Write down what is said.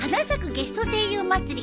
ゲスト声優まつり